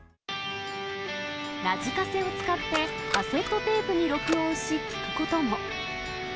ラジカセを使って、カセットテープに録音して聴くことも。